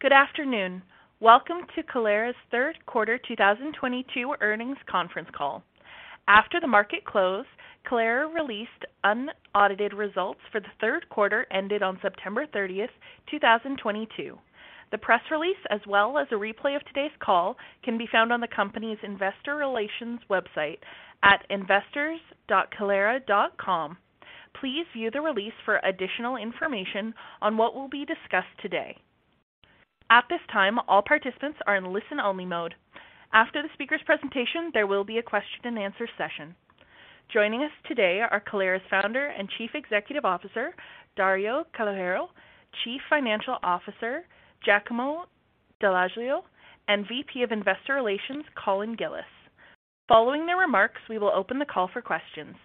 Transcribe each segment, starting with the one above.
Good afternoon. Welcome to Kaleyra's Q3 2022 Earnings Conference Call. After the market closed, Kaleyra released unaudited results for the Q3 ended on September 30, 2022. The press release, as well as a replay of today's call, can be found on the company's investor relations website at investors.kaleyra.com. Please view the release for additional information on what will be discussed today. At this time, all participants are in listen-only mode. After the speaker's presentation, there will be a question-and-answer session. Joining us today are Kaleyra's Founder and Chief Executive Officer, Dario Calogero, Chief Financial Officer, Giacomo Dall'Aglio, and VP of Investor Relations, Colin Gillis. Following their remarks, we will open the call for questions.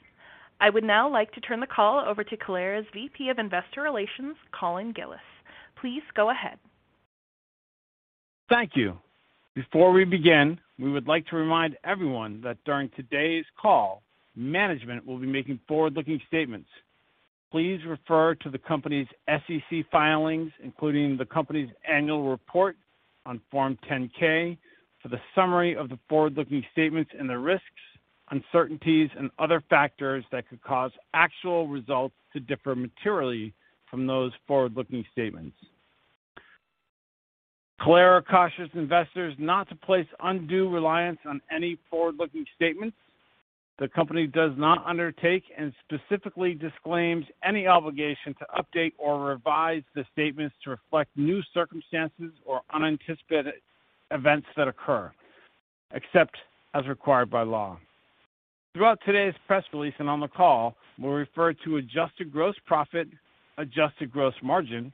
I would now like to turn the call over to Kaleyra's VP of Investor Relations, Colin Gillis. Please go ahead. Thank you. Before we begin, we would like to remind everyone that during today's call, management will be making forward-looking statements. Please refer to the company's SEC filings, including the company's annual report on Form 10-K, for the summary of the forward-looking statements and the risks, uncertainties and other factors that could cause actual results to differ materially from those forward-looking statements. Kaleyra cautions investors not to place undue reliance on any forward-looking statements. The company does not undertake and specifically disclaims any obligation to update or revise the statements to reflect new circumstances or unanticipated events that occur, except as required by law. Throughout today's press release and on the call, we'll refer to adjusted gross profit, adjusted gross margin,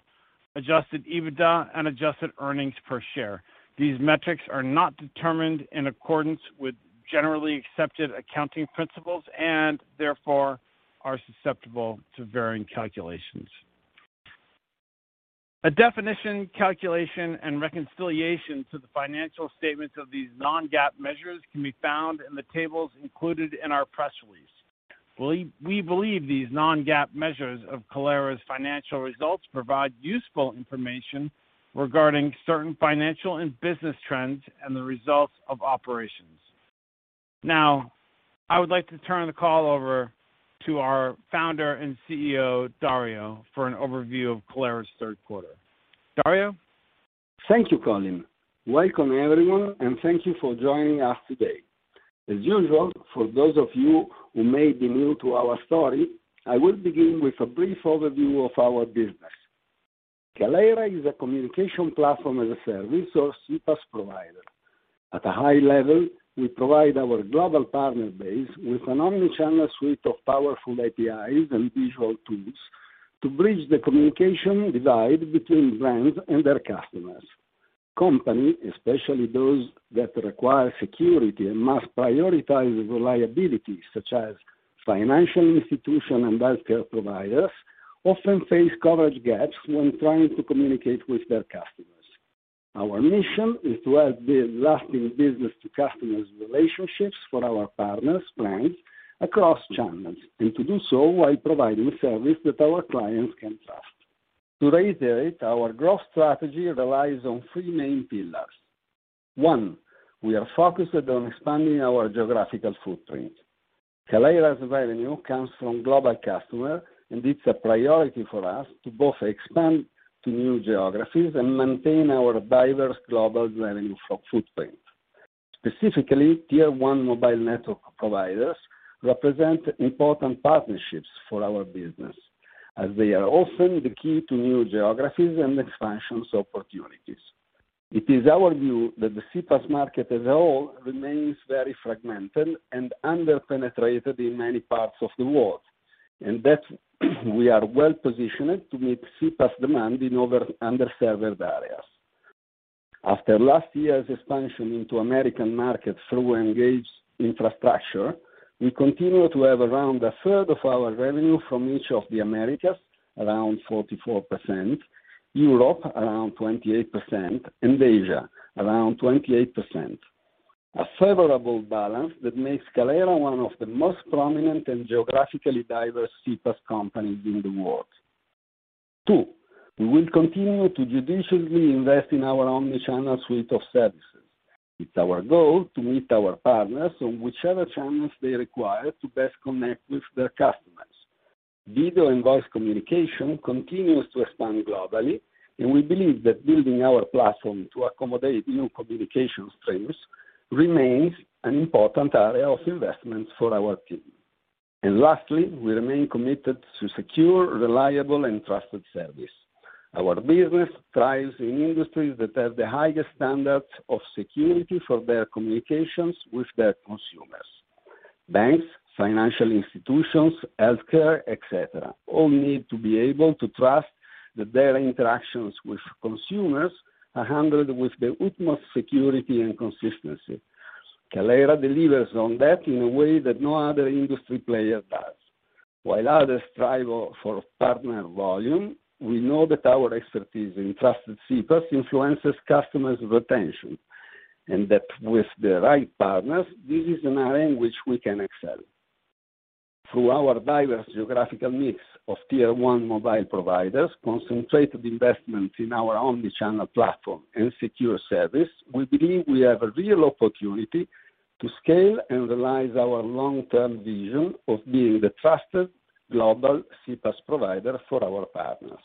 adjusted EBITDA, and adjusted earnings per share. These metrics are not determined in accordance with generally accepted accounting principles and therefore are susceptible to varying calculations. A definition, calculation, and reconciliation to the financial statements of these non-GAAP measures can be found in the tables included in our press release. We believe these non-GAAP measures of Kaleyra's financial results provide useful information regarding certain financial and business trends and the results of operations. Now, I would like to turn the call over to our founder and CEO, Dario, for an overview of Kaleyra's Q3. Dario? Thank you, Colin. Welcome, everyone, and thank you for joining us today. As usual, for those of you who may be new to our story, I will begin with a brief overview of our business. Kaleyra is a communication platform as a service or CPaaS provider. At a high level, we provide our global partner base with an omni-channel suite of powerful APIs and visual tools to bridge the communication divide between brands and their customers. Companies, especially those that require security and must prioritize reliability, such as financial institutions and healthcare providers, often face coverage gaps when trying to communicate with their customers. Our mission is to help build lasting business-to-customer relationships for our partners, brands, across channels, and to do so while providing a service that our clients can trust. To reiterate, our growth strategy relies on three main pillars. One, we are focused on expanding our geographical footprint. Kaleyra's revenue comes from global customers, and it's a priority for us to both expand to new geographies and maintain our diverse global revenue footprint. Specifically, tier one mobile network providers represent important partnerships for our business, as they are often the key to new geographies and expansion opportunities. It is our view that the CPaaS market as a whole remains very fragmented and under-penetrated in many parts of the world, and that we are well-positioned to meet CPaaS demand in underserved areas. After last year's expansion into American markets through mGage, we continue to have around 44% from the Americas, around 28% from Europe, and around 28% from Asia. A favorable balance that makes Kaleyra one of the most prominent and geographically diverse CPaaS companies in the world. Two, we will continue to judiciously invest in our omni-channel suite of services. It's our goal to meet our partners on whichever channels they require to best connect with their customers. Video and voice communication continues to expand globally, and we believe that building our platform to accommodate new communication streams remains an important area of investment for our team. Lastly, we remain committed to secure, reliable, and trusted service. Our business thrives in industries that have the highest standards of security for their communications with their consumers. Banks, financial institutions, healthcare, et cetera, all need to be able to trust that their interactions with consumers are handled with the utmost security and consistency. Kaleyra delivers on that in a way that no other industry player does. While others strive for partner volume, we know that our expertise in trusted CPaaS influences customers' retention, and that with the right partners, this is an area in which we can excel. Through our diverse geographical mix of tier one mobile providers, concentrated investments in our omni-channel platform, and secure service, we believe we have a real opportunity to scale and realize our long-term vision of being the trusted global CPaaS provider for our partners.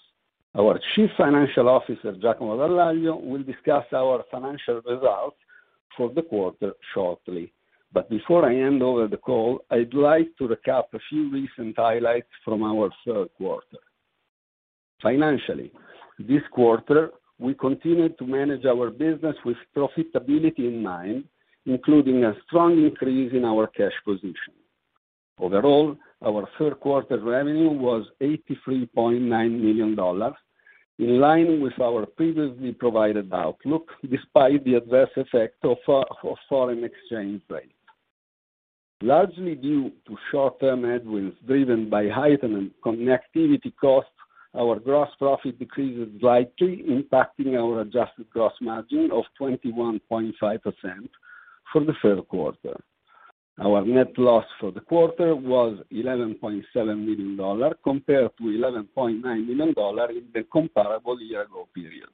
Our Chief Financial Officer, Giacomo Dall'Aglio, will discuss our financial results for the quarter shortly. Before I hand over the call, I'd like to recap a few recent highlights from our Q3. Financially, this quarter, we continued to manage our business with profitability in mind, including a strong increase in our cash position. Overall, our Q3 revenue was $83.9 million, in line with our previously provided outlook, despite the adverse effect of foreign exchange rates. Largely due to short-term headwinds driven by heightened connectivity costs, our gross profit decreased slightly, impacting our adjusted gross margin of 21.5% for the Q3. Our net loss for the quarter was $11.7 million, compared to $11.9 million in the comparable year ago period.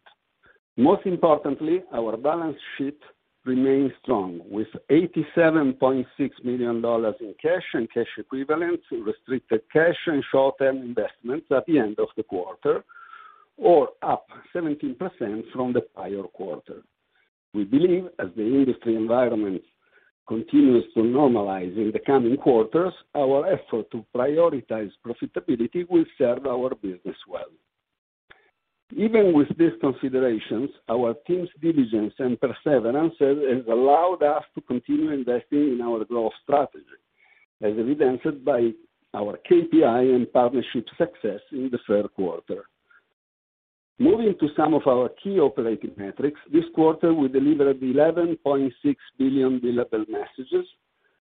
Most importantly, our balance sheet remains strong, with $87.6 million in cash and cash equivalents, restricted cash and short-term investments at the end of the quarter, or up 17% from the prior quarter. We believe as the industry environment continues to normalize in the coming quarters, our effort to prioritize profitability will serve our business well. Even with these considerations, our team's diligence and perseverance has allowed us to continue investing in our growth strategy, as evidenced by our KPI and partnership success in the Q3. Moving to some of our key operating metrics, this quarter we delivered 11.6 billion billable messages,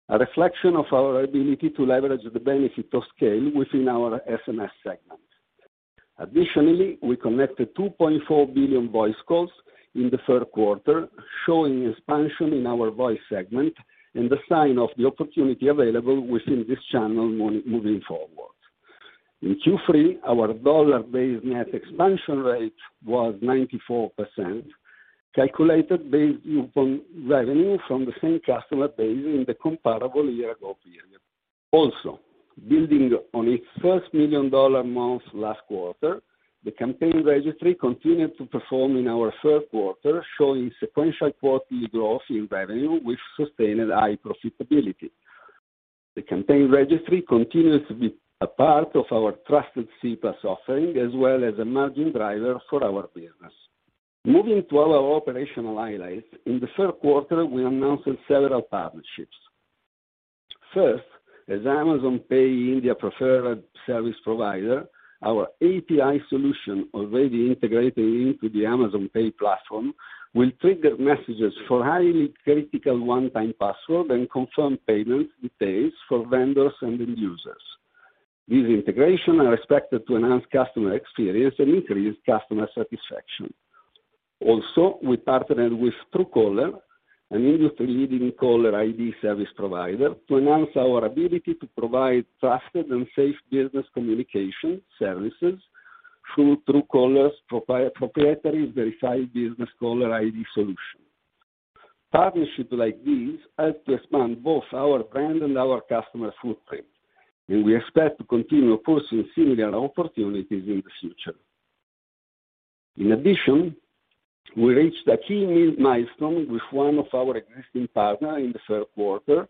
a reflection of our ability to leverage the benefit of scale within our SMS segment. Additionally, we connected 2.4 billion voice calls in the third quarter, showing expansion in our voice segment and the sign of the opportunity available within this channel moving forward. In Q3, our dollar-based net expansion rate was 94%, calculated based upon revenue from the same customer base in the comparable year ago period. Also, building on its first $1 million month last quarter, the Campaign Registry continued to perform in our Q3, showing sequential quarterly growth in revenue with sustained high profitability. The Campaign Registry continues to be a part of our trusted CPaaS offering, as well as a margin driver for our business. Moving to our operational highlights. In the Q3, we announced several partnerships. First, as Amazon Pay India preferred service provider, our API solution, already integrated into the Amazon Pay platform, will trigger messages for highly critical one-time password and confirm payment details for vendors and end users. These integrations are expected to enhance customer experience and increase customer satisfaction. Also, we partnered with Truecaller, an industry-leading caller ID service provider, to enhance our ability to provide trusted and safe business communication services through Truecaller's proprietary verified business caller ID solution. Partnerships like these help to expand both our brand and our customer footprint, and we expect to continue pursuing similar opportunities in the future. In addition, we reached a key milestone with one of our existing partner in the Q3,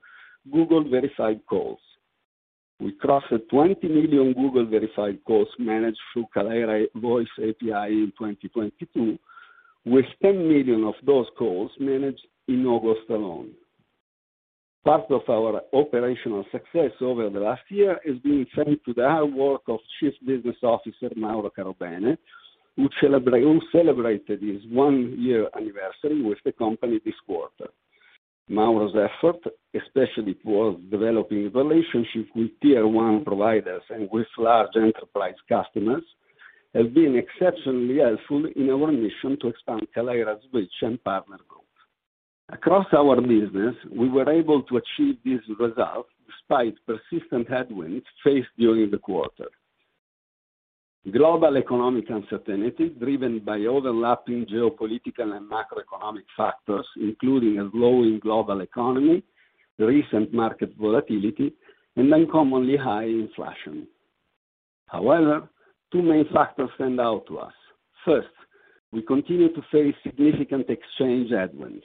Google Verified Calls. We crossed 20 million Google Verified Calls managed through Kaleyra Voice API in 2022, with 10 million of those calls managed in August alone. Part of our operational success over the last year is being thanks to the hard work of Chief Business Officer Mauro Carobene, who celebrated his one-year anniversary with the company this quarter. Mauro's effort, especially towards developing relationships with tier one providers and with large enterprise customers, has been exceptionally helpful in our mission to expand Kaleyra's reach and partner growth. Across our business, we were able to achieve these results despite persistent headwinds faced during the quarter. Global economic uncertainty driven by overlapping geopolitical and macroeconomic factors, including a growing global economy, the recent market volatility, and uncommonly high inflation. However, two main factors stand out to us. First, we continue to face significant exchange headwinds.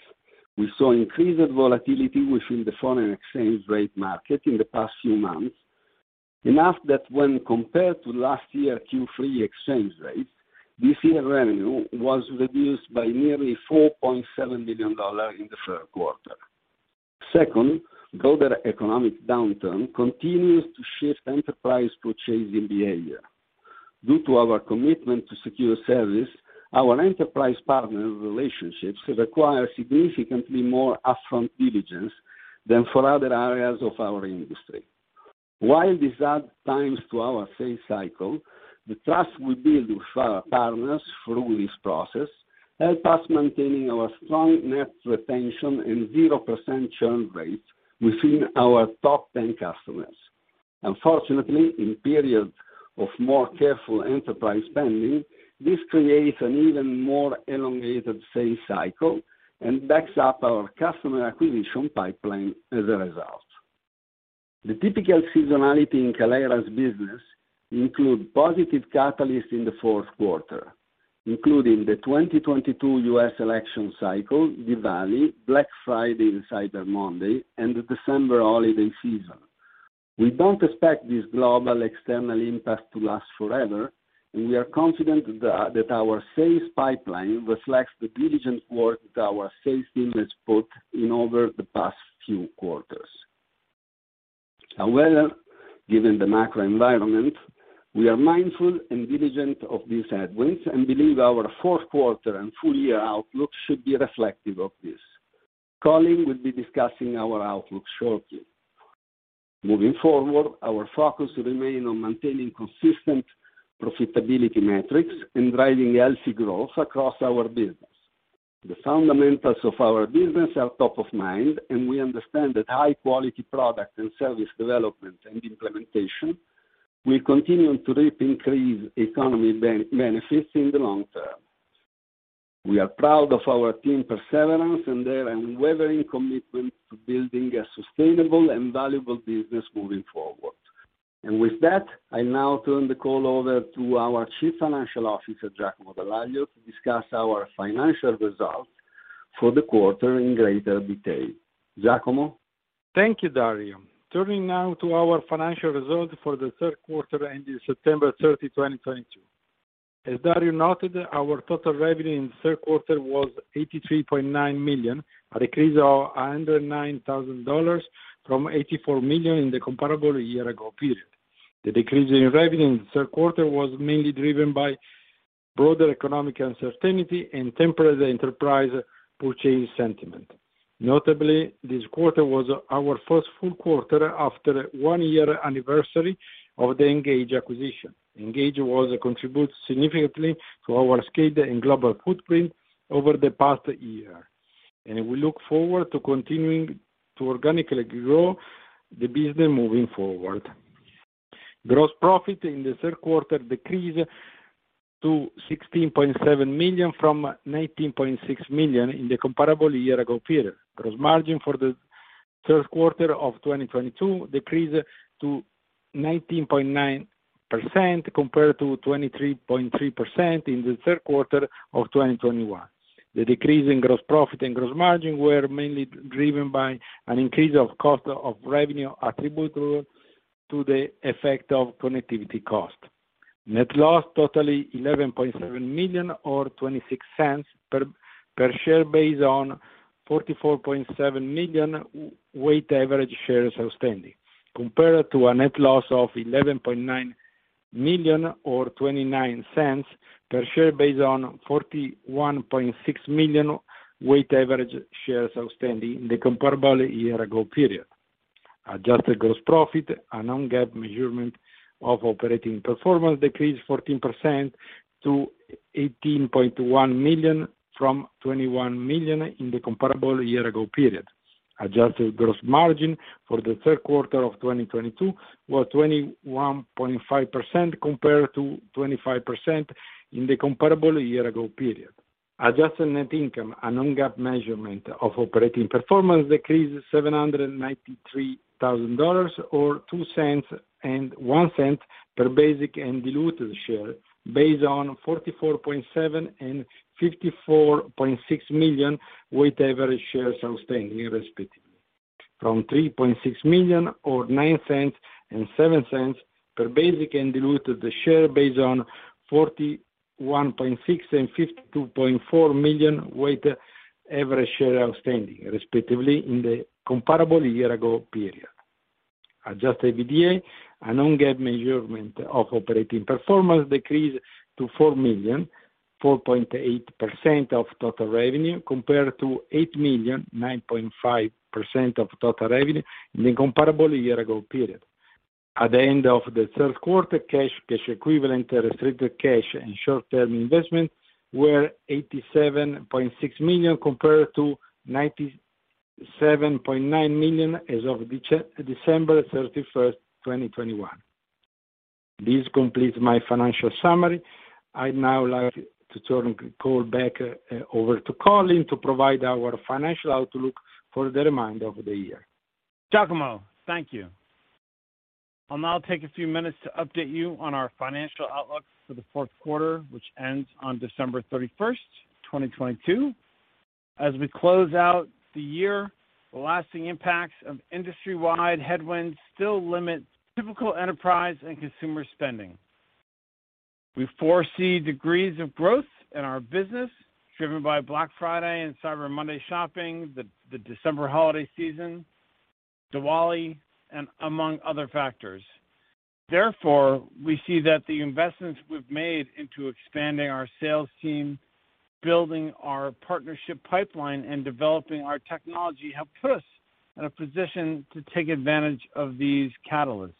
We saw increased volatility within the foreign exchange rate market in the past few months. Enough that when compared to last year Q3 exchange rates, this year revenue was reduced by nearly $4.7 million in the Q3. Second, global economic downturn continues to shift enterprise purchasing behavior. Due to our commitment to secure service, our enterprise partner relationships require significantly more upfront diligence than for other areas of our industry. While this adds time to our sales cycle, the trust we build with our partners through this process helps us maintain our strong net retention and 0% churn rate within our top 10 customers. Unfortunately, in periods of more careful enterprise spending, this creates an even more elongated sales cycle and backs up our customer acquisition pipeline as a result. The typical seasonality in Kaleyra's business include positive catalyst in the Q4, including the 2022 U.S. election cycle, Diwali, Black Friday, and Cyber Monday, and the December holiday season. We don't expect this global external impact to last forever, and we are confident that our sales pipeline reflects the diligent work that our sales team has put in over the past few quarters. However, given the macro environment, we are mindful and diligent of these headwinds and believe our Q4 and full year outlook should be reflective of this. Colin will be discussing our outlook shortly. Moving forward, our focus will remain on maintaining consistent profitability metrics and driving healthy growth across our business. The fundamentals of our business are top of mind, and we understand that high-quality product and service development and implementation will continue to reap increased economic benefits in the long term. We are proud of our team perseverance and their unwavering commitment to building a sustainable and valuable business moving forward. With that, I now turn the call over to our Chief Financial Officer, Giacomo Dall'Aglio, to discuss our financial results for the quarter in greater detail. Giacomo? Thank you, Dario. Turning now to our financial results for the Q3 ending September 30, 2022. As Dario noted, our total revenue in the third quarter was $83.9 million, a decrease of $109,000 from $84 million in the comparable year ago period. The decrease in revenue in the third quarter was mainly driven by broader economic uncertainty and temporary enterprise purchase sentiment. Notably, this quarter was our first full quarter after one year anniversary of the mGage acquisition. MGage was contribute significantly to our scale and global footprint over the past year, and we look forward to continuing to organically grow the business moving forward. Gross profit in the Q3 decreased to $16.7 million from $19.6 million in the comparable year ago period. Gross margin for the Q3 of 2022 decreased to 19.9% compared to 23.3% in the Q3 of 2021. The decrease in gross profit and gross margin were mainly driven by an increase of cost of revenue attributable to the effect of connectivity cost. Net loss totaling $11.7 million or $0.26 per share based on 44.7 million weighted average shares outstanding, compared to a net loss of $11.9 million or $0.29 per share based on 41.6 million weighted average shares outstanding in the comparable year ago period. Adjusted gross profit, a non-GAAP measurement of operating performance, decreased 14% to $18.1 million from $21 million in the comparable year ago period. Adjusted gross margin for the Q3 of 2022 was 21.5% compared to 25% in the comparable year ago period. Adjusted net income, a non-GAAP measurement of operating performance, decreased $793,000, or two cents and one cent per basic and diluted share based on 44.7 and 54.6 million weighted average shares outstanding, respectively, from $3.6 million, or nine cents and seven cents per basic and diluted share based on 41.6 and 52.4 million weighted average shares outstanding, respectively, in the comparable year ago period. Adjusted EBITDA, a non-GAAP measurement of operating performance, decreased to $4 million, 4.8% of total revenue, compared to $8 million, 9.5% of total revenue in the comparable year ago period. At the end of the Q3, cash equivalent, restricted cash, and short-term investments were $87.6 million, compared to $97.9 million as of December 31, 2021. This completes my financial summary. I'd now like to turn the call back over to Colin to provide our financial outlook for the remainder of the year. Giacomo, thank you. I'll now take a few minutes to update you on our financial outlook for the Q4, which ends on December 31, 2022. As we close out the year, the lasting impacts of industry-wide headwinds still limit typical enterprise and consumer spending. We foresee degrees of growth in our business driven by Black Friday and Cyber Monday shopping, the December holiday season, Diwali, and among other factors. Therefore, we see that the investments we've made into expanding our sales team, building our partnership pipeline, and developing our technology have put us in a position to take advantage of these catalysts.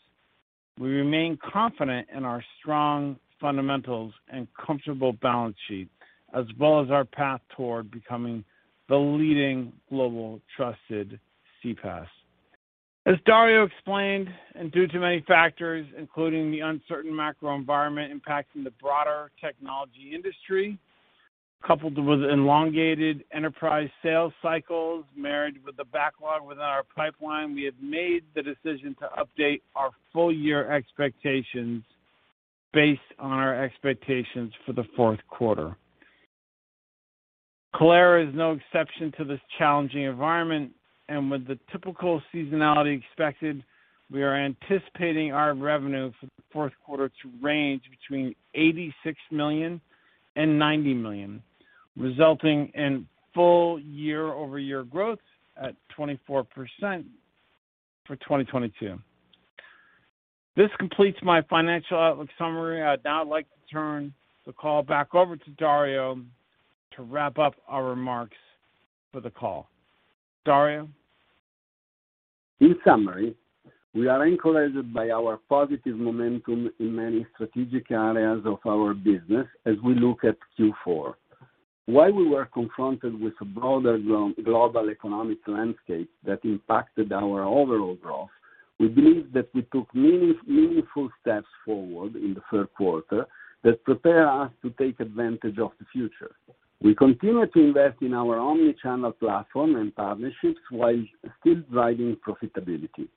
We remain confident in our strong fundamentals and comfortable balance sheet, as well as our path toward becoming the leading global trusted CPaaS. As Dario explained, due to many factors, including the uncertain macro environment impacting the broader technology industry, coupled with elongated enterprise sales cycles, married with the backlog within our pipeline, we have made the decision to update our full-year expectations based on our expectations for the Q4. Kaleyra is no exception to this challenging environment, and with the typical seasonality expected, we are anticipating our revenue for the Q4 to range between $86 million and $90 million, resulting in full year-over-year growth at 24% for 2022. This completes my financial outlook summary. I'd now like to turn the call back over to Dario to wrap up our remarks for the call. Dario? In summary, we are encouraged by our positive momentum in many strategic areas of our business as we look at Q4. While we were confronted with a broader global economic landscape that impacted our overall growth, we believe that we took meaningful steps forward in the Q3 that prepare us to take advantage of the future. We continue to invest in our omni-channel platform and partnerships while still driving profitability.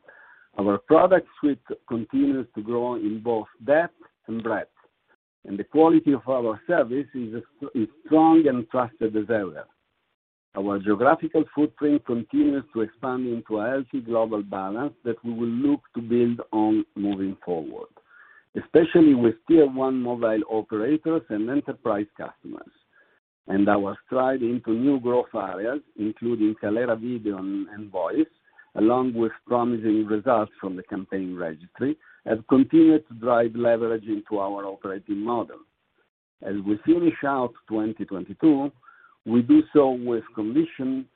Our product suite continues to grow in both depth and breadth, and the quality of our service is strong and trusted as ever. Our geographical footprint continues to expand into a healthy global balance that we will look to build on moving forward, especially with tier one mobile operators and enterprise customers. Our stride into new growth areas, including Kaleyra Video and Voice, along with promising results from the Campaign Registry, have continued to drive leverage into our operating model. As we finish out 2022, we do so with conviction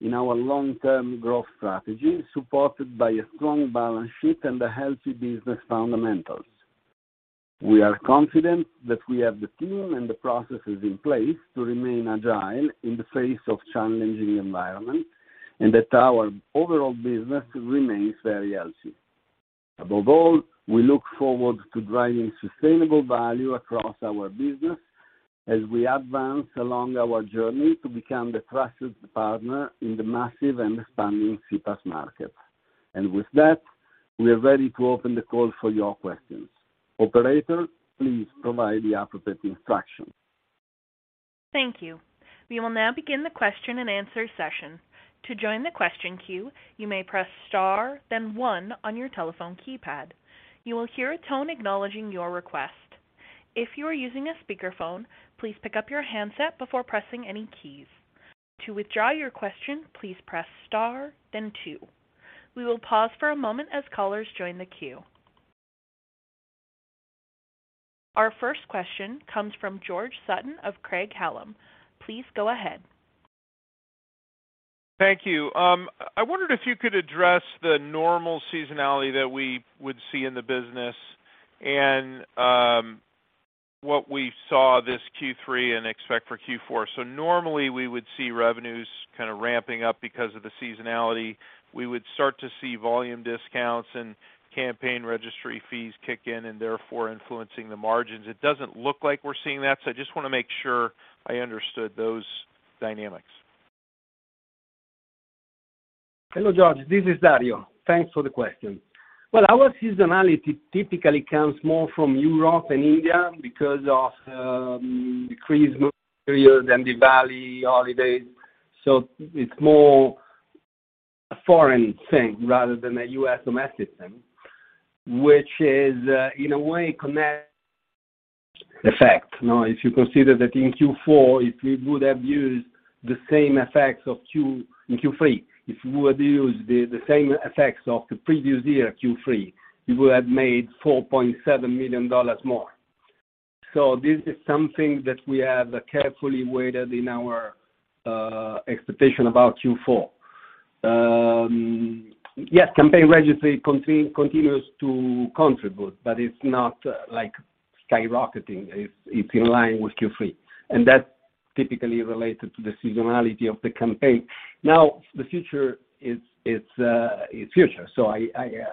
in our long-term growth strategy, supported by a strong balance sheet and a healthy business fundamentals. We are confident that we have the team and the processes in place to remain agile in the face of challenging environment, and that our overall business remains very healthy. Above all, we look forward to driving sustainable value across our business as we advance along our journey to become the trusted partner in the massive and expanding CPaaS market. With that, we are ready to open the call for your questions. Operator, please provide the appropriate instructions. Thank you. We will now begin the question and answer session. To join the question queue, you may press star then one on your telephone keypad. You will hear a tone acknowledging your request. If you are using a speakerphone, please pick up your handset before pressing any keys. To withdraw your question, please press star then two. We will pause for a moment as callers join the queue. Our first question comes from George Sutton of Craig-Hallum. Please go ahead. Thank you. I wondered if you could address the normal seasonality that we would see in the business and, what we saw this Q3 and expect for Q4. Normally, we would see revenues kind of ramping up because of the seasonality. We would start to see volume discounts and Campaign Registry fees kick in and therefore influencing the margins. It doesn't look like we're seeing that, so I just wanna make sure I understood those dynamics. Hello, George. This is Dario. Thanks for the question. Well, our seasonality typically comes more from Europe than India because of the Christmas period and Diwali holiday. It's more a foreign thing rather than a U.S. domestic thing, which is in a way connects the fact. Now, if you consider that in Q4, if we would have used the same effects in Q3, if we would use the same effects of the previous year Q3, we would have made $4.7 million more. This is something that we have carefully weighed in our expectation about Q4. Yes, Campaign Registry continues to contribute, but it's not like skyrocketing. It's in line with Q3, and that's typically related to the seasonality of the campaign. Now, the future is future.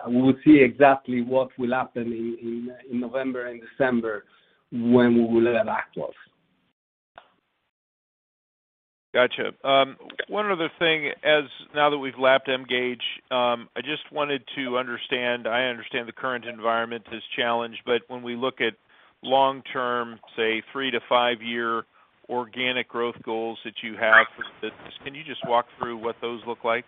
We will see exactly what will happen in November and December when we will have that close. Gotcha. One other thing and now that we've lapped mGage, I understand the current environment is challenged, but when we look at long-term, say three-five-year organic growth goals that you have for the business, can you just walk through what those look like?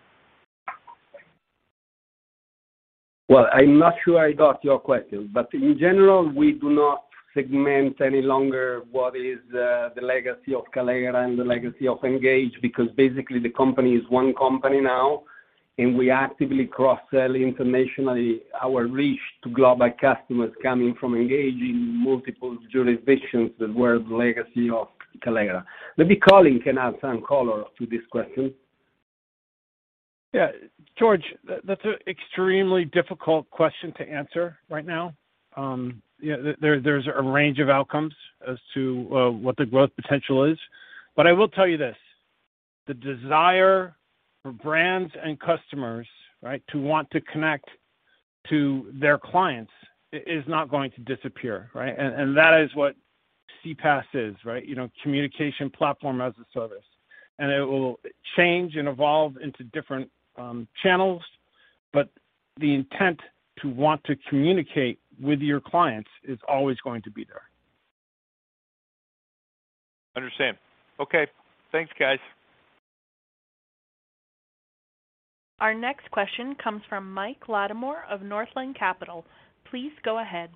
Well, I'm not sure I got your question. In general, we do not segment any longer what is the legacy of Kaleyra and the legacy of mGage because basically the company is one company now, and we actively cross-sell internationally our reach to global customers coming from mGage in multiple jurisdictions that were the legacy of Kaleyra. Maybe Colin can add some color to this question. Yeah. George, that's an extremely difficult question to answer right now. Yeah, there's a range of outcomes as to what the growth potential is. I will tell you this, the desire for brands and customers, right? To want to connect to their clients is not going to disappear, right? That is what CPaaS is, right? You know, communication platform as a service. It will change and evolve into different channels, but the intent to want to communicate with your clients is always going to be there. Understand. Okay. Thanks, guys. Our next question comes from Michael Latimore of Northland Capital Markets. Please go ahead.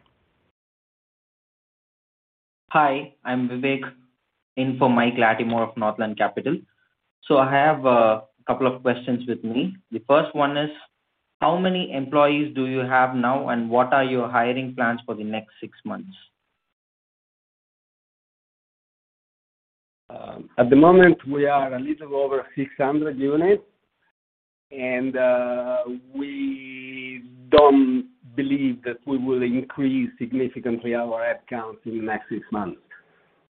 Hi, I'm Vivek, in for Mike Latimore of Northland Capital Markets. I have a couple of questions with me. The first one is, how many employees do you have now, and what are your hiring plans for the next six months? At the moment, we are a little over 600 units, and we don't believe that we will increase significantly our headcounts in the next six months.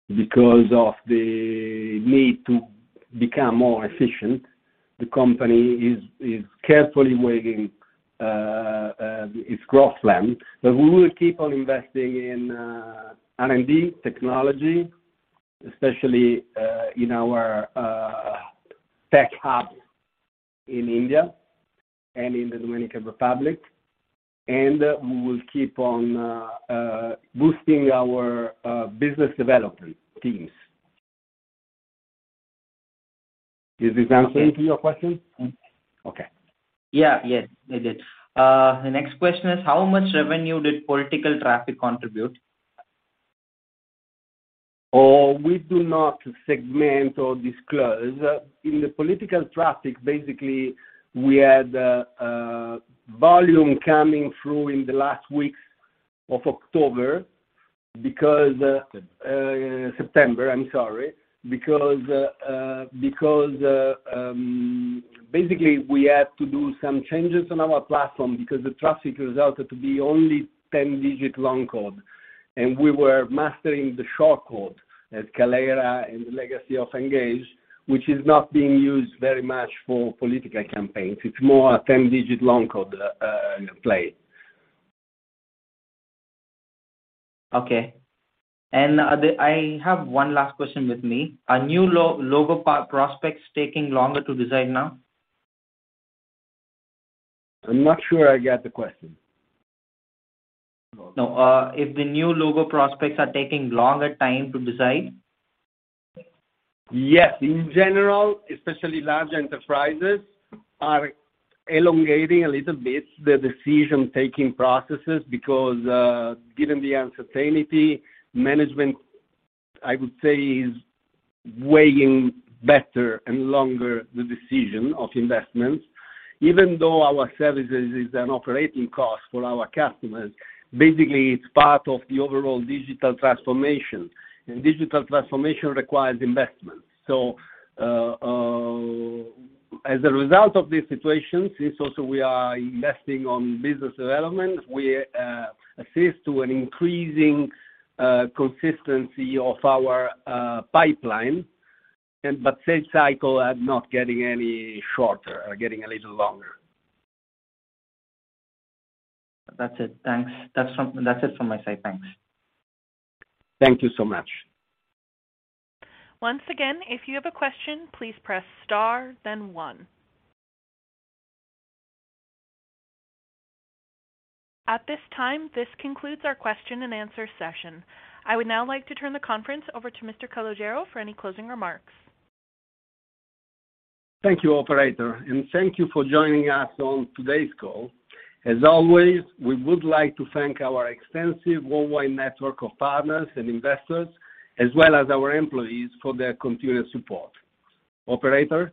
Because of the need to become more efficient, the company is carefully weighing its growth plan. We will keep on investing in R&D technology, especially in our tech hub in India and in the Dominican Republic. We will keep on boosting our business development teams. Is this answering to your question? Okay. Okay. Yeah. Yes, it did. The next question is, how much revenue did political traffic contribute? Oh, we do not segment or disclose. In the political traffic, basically, we had volume coming through in the last weeks of October because, September. September, I'm sorry. Basically we had to do some changes on our platform because the traffic resulted to be only 10-digit long code, and we were mastering the short code at Kaleyra and the legacy of mGage, which is not being used very much for political campaigns. It's more a 10-digit long code in play. Okay. I have one last question with me. Are new logo prospects taking longer to decide now? I'm not sure I get the question. No. If the new logo prospects are taking longer time to decide. Yes. In general, especially large enterprises are elongating a little bit the decision-making processes because, given the uncertainty, management, I would say, is weighing better and longer the decision of investments. Even though our services is an operating cost for our customers, basically, it's part of the overall digital transformation, and digital transformation requires investment. As a result of this situation, since also we are investing on business development, we are seeing an increasing consistency of our pipeline, and but sales cycle are not getting any shorter, are getting a little longer. That's it. Thanks. That's it from my side. Thanks. Thank you so much. Once again, if you have a question, please press star then one. At this time, this concludes our question and answer session. I would now like to turn the conference over to Mr. Calogero for any closing remarks. Thank you, operator, and thank you for joining us on today's call. As always, we would like to thank our extensive worldwide network of partners and investors, as well as our employees for their continued support. Operator.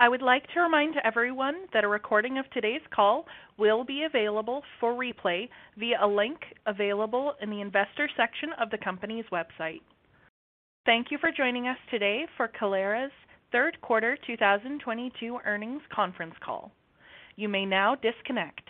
I would like to remind everyone that a recording of today's call will be available for replay via a link available in the investor section of the company's website. Thank you for joining us today for Kaleyra's third quarter 2022 earnings conference call. You may now disconnect.